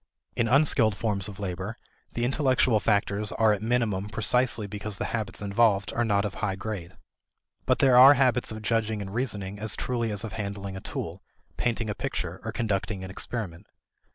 In unskilled forms of labor, the intellectual factors are at minimum precisely because the habits involved are not of a high grade. But there are habits of judging and reasoning as truly as of handling a tool, painting a picture, or conducting an experiment.